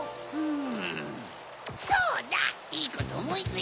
ん？